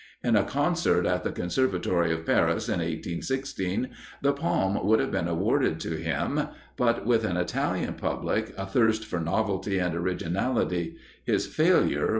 In a concert, at the Conservatory of Paris, in 1816, the palm would have been awarded to him, but, with an Italian public, athirst for novelty and originality, his failure was certain.